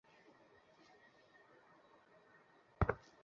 আমার মেয়ের প্রস্রাব করার সময় অনেক জ্বালাপোড়া করে।